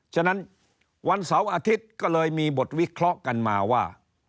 ฉะนั้นวันเสาร์อาทิตย์ก็เลยมีบทวิเคราะห์กันมาว่า